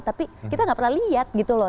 tapi kita gak pernah lihat gitu loh